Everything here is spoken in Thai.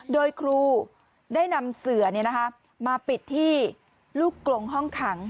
โดยครูได้นำเสือมาปิดที่ลูกกลงห้องขัง